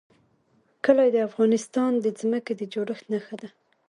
کلي د افغانستان د ځمکې د جوړښت نښه ده.